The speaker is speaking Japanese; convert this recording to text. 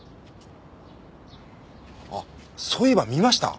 あそういえば見ました。